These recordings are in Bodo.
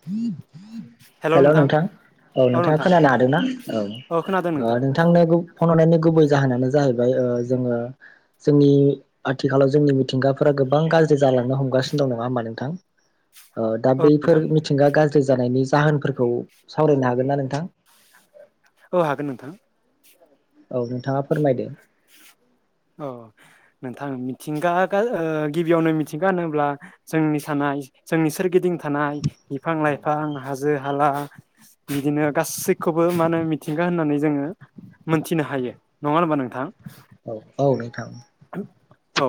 [inaudible] हेल' नोंथां औ नोंथाङा खोनानो हादोंना औ खोनादों ओ नोंथां नोंथांनो [unintelligible] फन हरनायनि गुबै जाहोनानो जाहैबाय ओ जोङो जोंनि आथिखालाव जोंनि मिथिंगाफोरा गोबां गाज्रि जालांनो हमगासिनो दं नङा होमबा नोंथां? ओ दा औ नोंथां बैफोर मिथिंगा गाज्रि जानायनि जाहोनफोरखौ सावरायनो हागोन ना नोंथां? औ हागोन नोंथां। औ नोंथाङा फोरमायदो। औ नोंथां मिथिंगा गा ओ गिबियावनो मिथिंगा होनोब्ला जोंनि [unintelligible] जोंनि सोरगिदिं थानाय बिफां लाइफां हाजो हाला बिदिनो गासैखौबो मा होनो मिथिंगा होननानै जोङो मोनथिनो हायो नङा होनबा नोंथां? औ औ नैथां। औ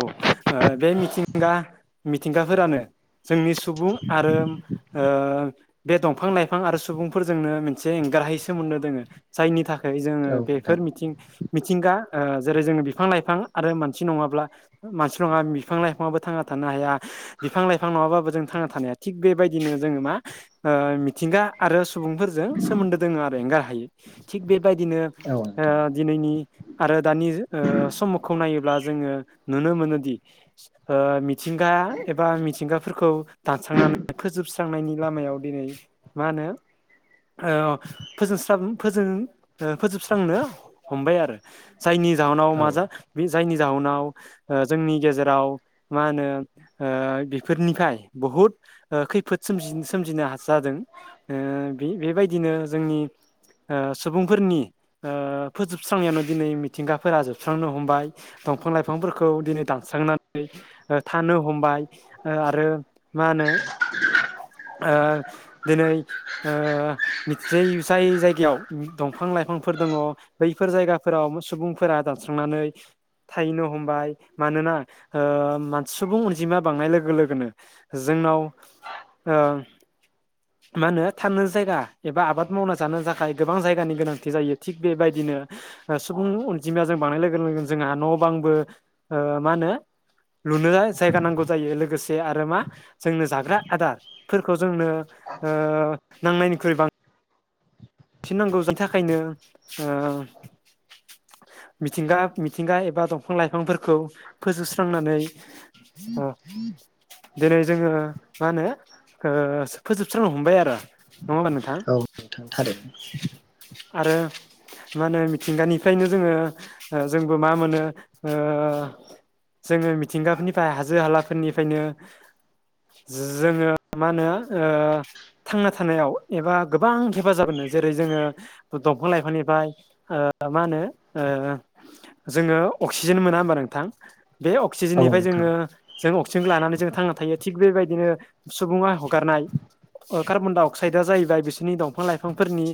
बे मिथिंगा मिथिंगाफोरानो जोंनि सुबुं आरो बे दंफां लाइफां आरो सुबुंफोरजोंनो मोनसे एंगारहायै सोमोन्दो दोङो जायनि थाखाय जोङो औ नोंथां बेफोर मिथिं मिथिंगा ओ जेरै जोङो बिफां-लाइफां आरो मानसि नङाब्ला मानसि नङा बिफां लाइफाङाबबो थांना थानो हाया बिफां-लाइफां नङाबाबो जों थांना थानो हाया थिग बेबायदिनो जोङो मा मिथिंगा आरो सुबुंफोर [unintelligible] जों सोमोन्दो दोङो आरो एंगार हायि थि बेबायदिनो औ नोंथां दिनैनि आरो दानि ओ समखौ नायोब्ला जोङो नुनो मोनोदि ओ मिथिंगा एबा मिथिंगाफोरखौ दानस्रांनानै फोजोबस्रांनायनि लामायाव दिनै मा होनो ओ [unintelligible] ओ फोजोबस्रांनो हमबाय आरो जायनि जाउनाव औ माजा नोंथां जायनि जाउनाव जोंनि गेजेराव मा होनो ओ बेफोरनिफ्राय बहुद ओ खैफोद [unintelligible] सोमजिनो [unintelligible] जादों ओ बे बेबायदिनो जोंनि ओ सुबुंफोरनि ओ फोजोबस्रांनायानो दिनै [unintelligible] थिंगाफोरा जोबस्रांनो हमबाय दंफां लाइफांफोरखौ दिनै दानस्रांनानै ओ थानो हमबाय ओ आरो मा होनो [unintelligible] ओ दिनै ओ मिसय जाय जायगायाव दंफां लाइफांफोर दङ। बैफोर जायगाफोराव सुबुंफोरा दानस्रांनानै थायैनो हमबाय मानोना ओ मान सुबुं अनजिमा बांनाय लोगो लोगोनो जोंनाव ओ [inaudible] मा होनो थानो जायगा एबा आबाद मावना जानो थाखाय गोबां जायगानि गोनांथि जायो थिग बेबायदिनो ओ सुबुंनि अनजिमायााजों बांनाय लोगो लोगोनो जोंहा न' बांबो ओ‌ मा होनो लुनो जायगा नांगौ जायो लोगोसे आरो मा जोंनो जाग्रा आदारफोरखौ जोंनो ओ‌ नांनायनिख्रुइ बांसिन फिनांगौ जा थाखायनो ओ मिथिंगा मिथिंगा एबा दंफां लाइफांफोरखौ फोजोबस्रांनानै ओ दिनै जोङो मा होनो ओ फोजोबस्रांनो हमबाय आरो नङा होनबा नोंथां। औ नोंथां थारैनो। आरो मा होनो मिथिंगानिफ्रायनो जोङो ओ‌ जोंबो मा मोनो ओ जोङो मिथिंगाफोरनिफ्राय हाजो हालाफोरनिफ्रायनो जोङो मा होनो ओ थांना थानायाव एबा गोबां हेफाजाब होनो जेरै जोङो दंफां लाइफांनिफ्राय ओ मा होनो ओ जोङो अक्सिजेन मोना होमबा नोंथां। बे औ अक्सिजेननिफ्राय नोंथां जोङो जों अक्सिजेनखौ लानानै जों थांना थायो थिग बेबायदिनो सुबुङा हगारनाय ओ कार्बन -डाइ -अक्साइदआ जाहैबाय बिसोरनि दंफां लाइफांफोरनि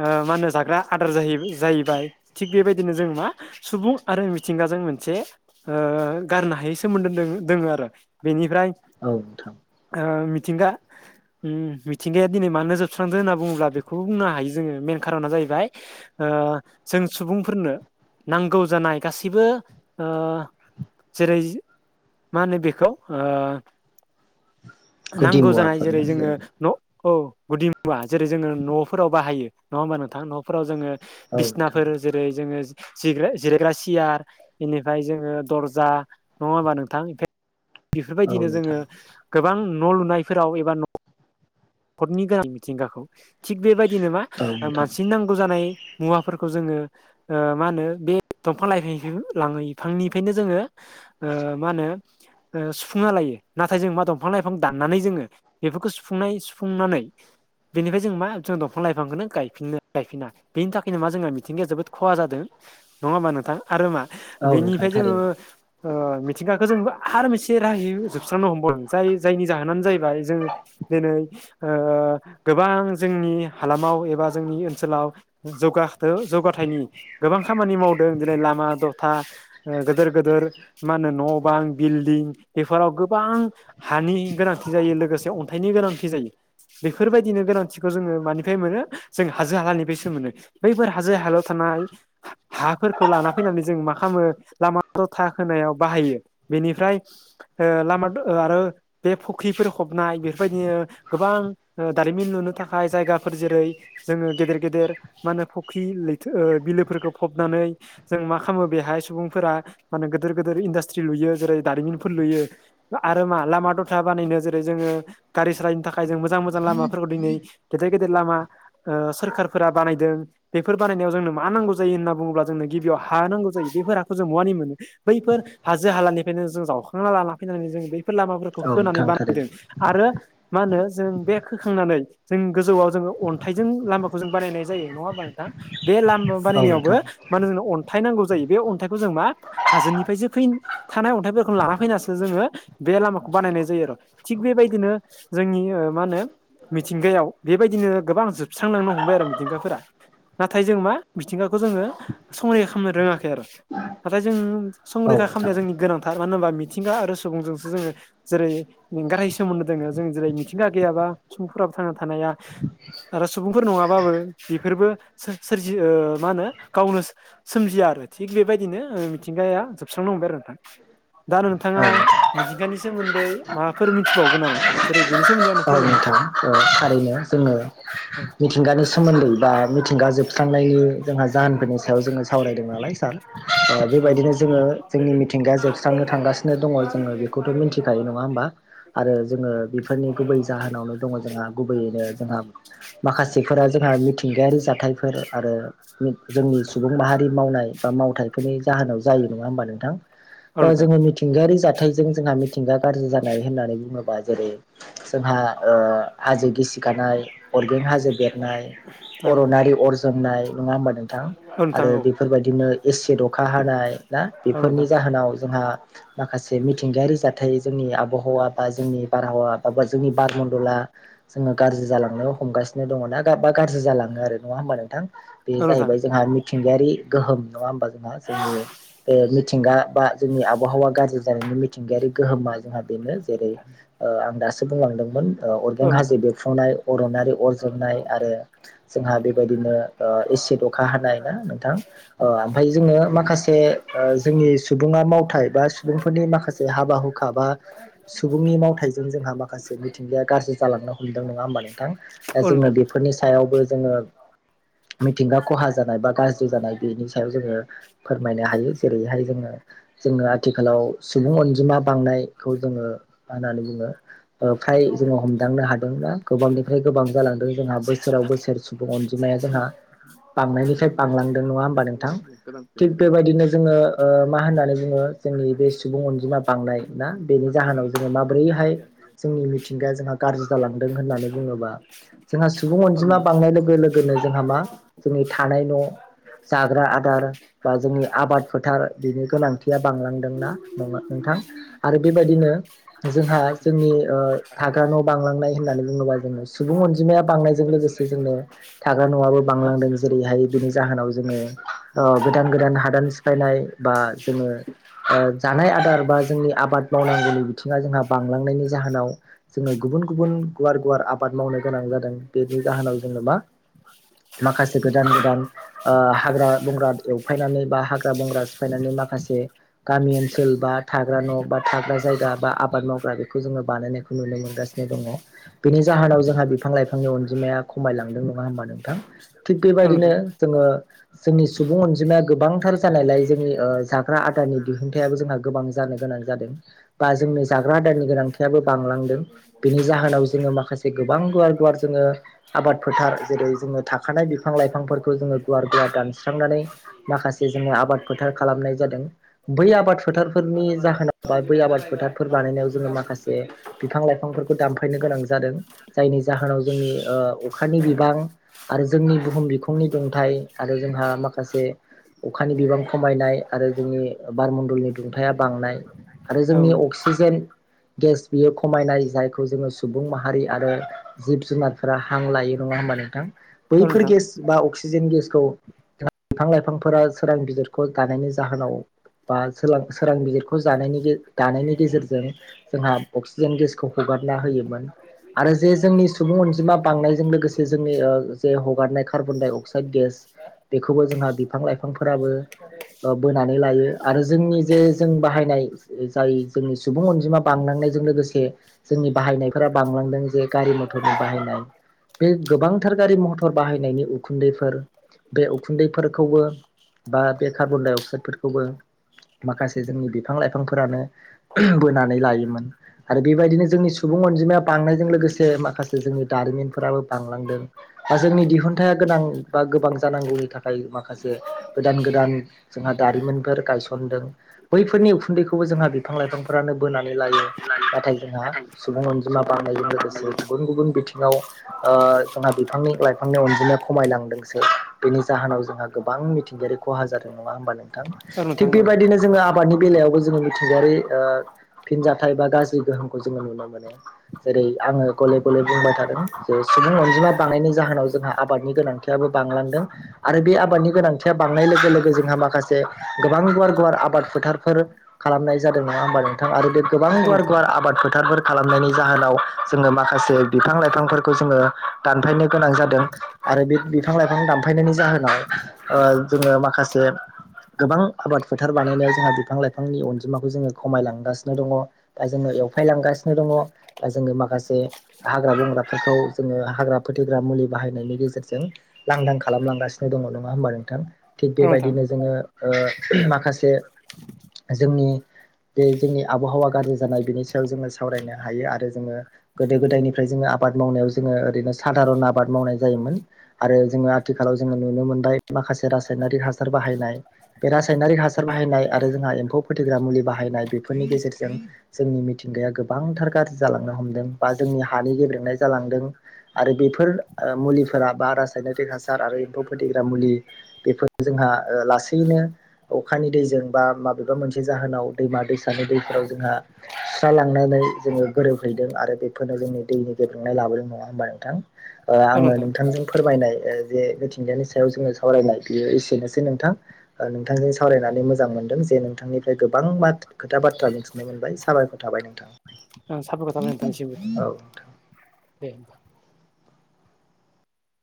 ओ मा होनो जाग्रा आदार जाहैबाय थिग बेबायदिनो जों मा सुबुं आरो मिथिंगाजों मोनसे ओ गारनो हायै सोमोन्दो दों दोङो आरो बेनिफ्राय औ नोंथां। ओ मिथिंगा उम मिथिंगाया दिनै मानो जोबस्रांदों होनना बुङोब्ला बेखौबो बुंनो हायो जोङो मेन खार'ना जाहैबाय ओ जों सुबुंफोरनो नांगौ जानाय गासिबो ओ जेरै मा होनो बेखौ ओ गुदि नांगौ जानाय मुवाफोर जेरै ना जोङो जेनेबा न' औ गुदि मुवा जेरै जोङो न'फोराव बाहायो नङा होमबा नोंथां? न'फोराव जोङो औ नोंथां बिसनाफोर जेरै जोङो जिराय जिरायग्रा सियार बेनिफ्राय जोङो दर्जा नङा होमबा नोंथां? बेफोर औ बायदिनो नोंथां जोङो गोबां न' लुनायफोराव एबा न' भटनि गोनां मिथिंगाखौ थिग बे बायदिनो मा औ नोंथां मानसिनि नांगौ जानाय मुवाफोरखौ जोङो ओ मा होनो बे दंफां लाइफांनिफ्रायनो जोङो ओ मा होनो ओ सुफुंना लायो नाथाय जों मा दंफां लाइफां दाननानै जोङो बेफोरखौ सुफुंनाय सुफुंनानै बेनिफ्राय जों मा जों दंफां लाइफांखौनो गायफिनो गायफिना बेनि थाखायनो मा जोंना मिथिंगाया जोबोद खहा जादों नङा होमबा नोंथां? आरो मा औ नोंथां बेनिफ्राय जोङो थारैनो ओ मिथिंगाखौ जों आरो मोनसे राहायै जोबस्रांनो हमबावदों जाय जायनि जाहोनानो जाहैबाय जोंङो बिदिनो गोबां जोंनि हालामाव एबा जोंनि ओनसोलाव जौगाहोदो, जौगाथायनि गोबां खामानि मावदों जेरै लामा- दथा गोदोर गोदोर मा होनो न' बां बिल्डिं बेफोराव गोबां हानि गोनांथि जायो, लोगोसे अन्थाइनि गोनांथि जायो। बेफोरबायदिनो गोनांथिखौ जोङो मानिफ्राय मोनो? जों हाजो हालानिफ्रायसो मोनो। बैफोर हाजो- हालायाव थानाय हा फोरखौ लाना फैनानै जों मा खामो लामा-दथा खोनायाव बाहायो। बेनिफ्राय ओ लामा आरो बे फुख्रिफोर फबनाय बेफोरबायदिनो गोबां ओ दारिमिन लुनो थाखाय जायगाफोर जेरै जोङो गेदेर गेदेर मा होनो फुख्रि लैथो बिलोफोरखौ फबनानै जों मा खालामो बेहाय सुबुंफोरा माने गोदोर गोदोर इन्डास्ट्रि लुयो जेरै दारिमिनफोर लुयो। आरो मा लामा दथा बानायनो जेरै जोङो गारि सालायनो थाखाय थाखाय जों मोजां मोजां लामाफोरखौ दिनै गेदेर गेदेर लामा ओ सोरखारफोरा बानायदों। बेफोर बानायनायाव जोंनो मा नांगौ जायो होनना बुङोब्ला, जोंनो गिबियाव हा नांगौ जायो, बेफोर हाखौ जों बहानि मोनो। बैफोर हाजो हालानिफ्रायनो जों जावखांना लाना फैनानै जों बैफोर लामाफोरखौ औ खोनानै नोंथां बानायदों थारैनो आरो मा होनो जों बे खोखांनानै जों गोजौआव जोङो अन्थाइजों लामाखौ जों बानायनाय जायो, नङा होम्बा नोंथां? बे लामा औ बानायनायावबो नोंथां मा नो जोंनो अन्थाइ नांगौ जायो, बे अन्थाइखौ जों मा? हाजोनिफ्रायसो फै थानाय अन्थाइफोरखौनो लाना फैनासो जोङो बे लामाखौ बानायनाय जायो र'। थिग बे बायदिनो जोंनि मा होनो मिथिंगायाव बेबायदिनो गोबां जोबस्रांलांनो हमबाय आरो मिथिंगाफोरा। नाथाय जों मा? मिथिंगाखौ जोङो संरैखा खामनो रोङाखै आरो। नाथाय जों औ संरैखा नोंथां खामनाया जोंनि गोनांथार, मानो होनबा मिथिंगा आरो सुबुंजोंसो जोङो जेरै एंगारहायै सोमोन्दो दोङो, जों जेरै मिथिंगा गैयाबा सुबुंफोराबो थांना थानाया आरो सुबुंफोर नङाबाबो बेफोरबो सोर-सोरजि मा होनो गावनो सोमजिया आरो थिग बेबायदिनो मिथिंगाया जोबस्रांनो हमबाय आरो नोंथां। दा आरो औ नोंथाङा नोंथां मिथिंगानि सोमोन्दै माबाफोर मिथिबावगोन नामा? जेरै बेनि सोमोन्दै आंनो औ फोरमायनाय? नोंथां थारैनो, जोङो औ मिथिंगानि सोमोन्दै बा मिथिंगा जोबस्रांनायनि जोंहा जाहोनफोरनि सायाव जोङो सावरायदों नालाय सार, औ बेबायदिनो नोंथां जोङो जोंनि मिथिंगाया जोबस्रांनो थांगासिनो दङ जोङो बेखौथ' मिथिखायो नङा होमबा? आरो जोङो बेफोरनि गुबै जाहोनावनो दङ जोंहा गुबैयैनो जोंहा माखासेफोरा जोंहा मिथिंगायारि जाथायफोर आरो जोंनि सुबुं माहारि मावनाय बा मावथायफोरनि जाहोनाव जायो नङा होमबा नोंथां? औ नोंथां औ जोङो [unintelligible] मिथिंगायारि जाथायजों जोंहा मिथिंगा गाज्रि जानाय होननानै बुङोबा जेरै जोंहा ओ हाजो गिसिखानाय अरगें हाजो बेरनाय अरनारि अर जोंनाय नङा होमबा? नोंथां। औ नोंथां आरो औ बेफोरबायदिनो एसिद अखा हानाय ना औ बेफोरनि नोंथां जाहोनाव जोंहा माखासे मिथिंगायारि जाथाय जोंनि आबहावा बा जोंनि बारहावा बा जोंनि बारमणडला जोङो गाज्रि जालांनो हमगासिनो दङ ना बा गाज्रि जालाङो आरो नङा होमबा नोंथां? बे औ नोंथां जाहैबाय जोंहा मिथिंगायारि गोहोम नङा होमबा? जोंहा जोंनि बे मिथिंगा बा जोंनि आबहावा गाज्रि जानायनि मिथिंगायारि गोहोमा जोंहा बेनो जेरै आं दासो बुंलांदोंमोन, औ अरगें नोंथां हाजो बेरफुंनाय, अरनारि अर जोंनाय आरो जोंहा बेबायदिनो एसिद अखा हानाय ना नोंथां ओमफ्राय जोङो माखासे ओ जोंनि सुबुङा मावथाय बा सुबुंफोरनि माखासे हाबा हुखा बा सुबुंनि मावथायाइजों जोंहा माखासे मिथिंगाया गाज्रि जालांनो हमदों नङा होमबा नोंथां? दा औ जोङो नोंथां बेफोरनि सायावबो जोङो मिथिंगा खहा जानाय बा गाज्रि जानाय बेनि सायाव जोङो फोरमायनो हायो। जेरैहाय जोङो, जोङो आथिखालाव सुबुं अनजिमा बांनायखौ जोङो मा होननानै बुङो फ्राय जोङो हम हादोंनाा गोबांनिफ्राय गोबां जालांदों जोंहा सायासो बोसोराव गैया बोसोर सुबुं अनजिमाया सायासो जोंहा बांनायनिखाय बांलांदों नङा होमबा नोंथां थिग बेबायदिनो जोङो मा होननानै बुङो जोंनि बे सुबुं अनजिमा बांनाय ना बेनि जाहोनाव जोङो माबोरैहाय जोंनि मिथिंगाया जोंहा गाज्रि जालांदों होननानै बुङोबा जोंहा सुबुं औ अनजिमा नोंथां बांनाय लोगो लोगोनो जोंहा मा जोंनि थानाय न' जाग्रा आदार बा जोंनि आबाद फोथार बिनि गोनांथिया बांलांदोंना न नोंथां। आरो बेबायदिनो जोंहा जोंनि थाग्रा न' बांलांनाय होननानै बुङोबा जोङो सुबुं अनजिमाया बांनायजों लोगोसे जोंनो थाग्रा न'आबो हा बांलांदों जेरैहाय बेनि जाहोनाव जोङो गोदान गोदान हादान फायनाय बा जोङो जानाय आदार बा जोंनि आबाद मावनांगौनि बिथिङा जोंहा बांलांनायनि जाहोनाव जोङो गुबुन गुबुन गुवार गुवार आबाद मावनो गोनां जादों बेनि जाहोनाव जोङो मा। माखासे गोदान गोदान हाग्रा बंग्रा एवफायनानै बा हाग्रा बंग्रा सिफायनानै माखासे गामि ओनसोल बा थाग्रा न' बा थाग्रा जायगा बा आबाद मावग्रा बेखौ जोङो बानायनायखौ नुनो मोनगासिनो [unintelligible] बेनि जाहोनाव जोंहा बिफां लाइफांनि अनजिमाया खमायलांदों नङा होमबा नोंथां। थिग औ बेबायदिनो नोंथां जोङो जोंनि सुबुं अनजिमाया गोबांथार जानायलाय जोंनि फाग्रा आदारनि दिहुनथायाइाबो जोंहा गोबां जानो गोनां जादों बा जोंनि जाग्रा आदारनि गोनांथियाबो बांलांदों बिनि जाहोनाव जोङो माखासे गोबां गुवार गुवार जोङो आबाद फोथार जेरै जोङो थाखानाय बिफां लाइफांफोरखौ जोङो गुवार गुवार दानस्रांनानै माखासे जोङो आबाद फोथार खालामनाय जादों। बै आबाद फोथारफोरनि जाहोनाव बा बै आबाद फोथारफोर बानाय ज माखसे बिफां लाइफांफोर खौ दानफायनो गोनां जादों जायनि जाहोनाव जोंनि अखानि बिबां आरो जोंनि बुहुम बिखंनि दुंथाइ आरो जोंहा माखासे अखानि बिबां खमायनाय आरो जोंनि बारमडलनि दुंथाया बांनाय आरो औ जोंनि अक्सिजेन गेस बियो खमायनाय जायखौ जोङो सुबुं माहारि आरो जिब जुनारफोरा हां लायो नङा होमबा नोंथां बैफोर नोंथां गेस बा अक्सिजेन गेसखौ बिफां लाइफांफोरा सोरां बा सोर सोरां बिजिरखौ जानायनि दानायनि गेजेरजों जोंहा अक्सिजेन गेस हगारना होयोमोन। आरो जे जोंनि सुबुं अनजिमा बांनायजों लोगोसे जोंनि ओ जे हगारनाय कार्बन डाइ अक्साइड गेस बेखौबो जोंहा बिफां लाइफांफोराबो ओ बोनानै लायो आरो जोंनि जे जों बाहायनाय जाय जोंनि सुबुं अनजिमा बांलांनायजों लोगोसे जोंनि बाहायनायफोरा बांलांदों जे गारि मथरनि बाहायनाय बे गोबां थार गारि मटर बाहायनायनि उखुन्दैफोर बे उखुन्दैफोरखौबो बा बे कार्बन दडाइ अक्साइडफोरखौबो - माखासे जोंनि बिफां लाइफांफोरानो बोनानै लायोमोन आरो बे जोंनि सुबुं अनजिमाया बांनायजों लोगोसे माखासे जोंनि दारिमिनफोराबो बांलांदों। दा जोंनि दिहुनथाइया गोनां बा गोबां जानांगौनि थाखाय माखासे गोदान गोदान जोंहा दारिमिनफोर गायसनदों बैफोरनि उखुन्दैखौबो जोंहा बिफां लाइफांफोरानो बोनानै लायो नाथाय जोंहा सुबुं अनजिमा बांनायजों लोगोसे गुबुन गुबुन बिथिङाव ओ जोंहा बिफांनि लाइफांनि अनजिमाया खमायलांदोंसो बेनि जाहोनाव जोंहा गोबां मिथिंगायारि खहा जादों नङा होनबा नोंथां औ थिग नोंथां औ बेबायदिनो जोङो आबादनि बेलायावबो जोङो मिथिंगायारि ओ फिनजथायाइ बा गाज्रि गोहोमखौ जोङो नुनो मोनो जेरै आङो गले गले बुंबाय थादों जे सुबुं अनजिमा बानायनायनि जाहोनाव जोंहा आबादनि गोनांथि आबो बांलांदों। आरो बे आबादनि गोनांथिया बांनाय लोगो लोगो जोंहा माखासे गोबां गुवार-गुवार आबाद फोथारफोर खालामनाय जादों नङा होमबा नोंथां आरो बे गोबां नोंथां औ गुवार नोंथां गुवार आबाद फोथारफोर खालामनायनि जाहोनाव जोङो माखासे बिफां लाइफांफोरखौ जोङो दानफायनो गोनां जादों। आरो बे बिफां-लाइफां दानफायनायनि जाहोनाव ओ जोङो माखासे गोबां आबाद फोथार बानायनायाव जोंहा बिफां लाइफांनि अनजिमाखौ जोङो खमायलांगासिनो दङ। बा जोङो एवफायलांगासिनो दङ बा जोङो माखासे हाग्रा-बंग्राफोरखौ जोङो हाग्रा फोथैग्रा मुलि बाहायनायनि गेजेरजों लांदां खालामलांगासिनो दङ नङा होमबा नोंथां थिग औ नोंथां बेबायदिनो जोङो ओ उमह माखासे जोंनि बे जोंनि आबहावा गाज्रि जानाय बेनि सायाव जोङो सावरायनो हायो आरो जोङो गोदो गोदायनिफ्राय जोङो आबाद मावनायाव जोङो ओरैनो सादारन आबाद मावनाय जायोमोन। आरो जोङो आथिखालाव जोङो नुनो मोनबाय माखासे रासायनारिक हासार बाहायनाय। बे रासायनारि हासार बाहायनाय आरो जोंहा एम्फौ फोथैग्रा मुलि बाहायनाय बेफोरनि गेजेरजों जोंनि मिथिंगाया गोबांथार गाज्रि जालांनो हमदों बा जोंनि हानि गेब्रेनाय जालांदों। आरो बेफोर ओ मुलिफोरा बा रासायनारिक हासार आरो एम्फौ फोथैग्रा मुलि बेफोर जोंहा ओ लासैनो अखानि दैजों बा माबेबा मोनसे जाहोनाव दैमा दैसानि दैफोराव जोंहा सुस्रालां नानै जोङो गोरोब हैैदों आरो बेफोरनो जोंनि दैनि गेब्रेनाय लाबोनाय नङा होमबा नोंथां? ओ औ आङो नोंथां नोंथांजों फोरमायनाय जे मिथिंगानि सायाव जोङो सावरायनाय बियो एसेनोसै नोंथां। ओ नोंथांजों सावरायनानै मोजां मोनदों जे नोंथांनिफ्राय गोबां माथ खोथा बाथ्रा मिथिनो मोनबाय साबायखर थाबाय नों ओं साबायख'र थाबाय नोंथांनिसिमबो नोंथां दे होनबा।